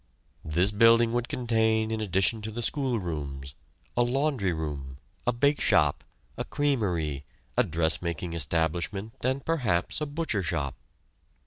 This building would contain in addition to the school rooms, a laundry room, a bake shop, a creamery, a dressmaking establishment, and perhaps a butcher shop.